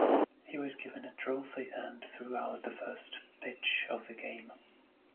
He was given a trophy and threw out the first pitch of the game.